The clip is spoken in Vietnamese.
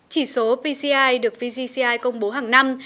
chỉ số pci được vgci công bố hàng năm